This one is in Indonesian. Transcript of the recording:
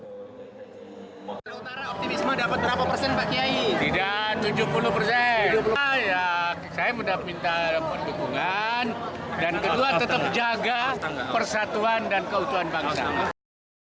tidak tujuh puluh persen saya minta dukungan dan kedua tetap jaga persatuan dan keutuhan bangsa